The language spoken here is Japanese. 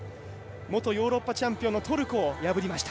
元ヨーロッパチャンピオンのトルコを破りました。